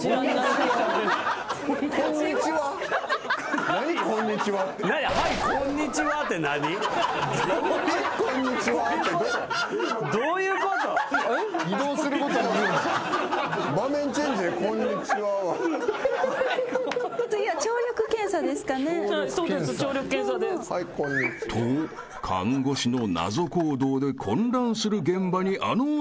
［と看護師の謎行動で混乱する現場にあの音が］